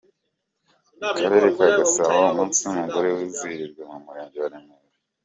Mu karere ka Gasabo umunsi w’umugore wizihirijwe mu murenge wa Remera.